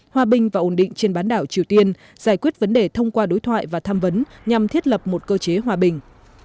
hòa bình và ổn định trên bán đảo triều tiên giải quyết vấn đề thông qua đối thoại và tham vấn nhằm thiết lập một cơ chế hòa bình